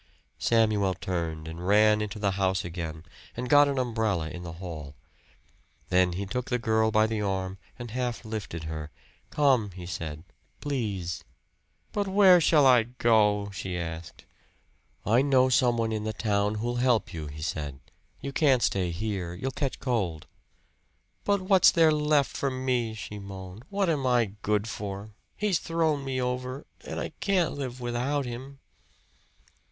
Samuel turned and ran into the house again and got an umbrella in the hall. Then he took the girl by the arm and half lifted her. "Come," he said. "Please." "But where shall I go?" she asked. "I know some one in the town who'll help you," he said. "You can't stay here you'll catch cold." "What's there left for me?" she moaned. "What am I good for? He's thrown me over and I can't live without him!"